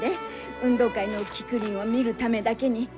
運動会のキクリンを見るためだけに。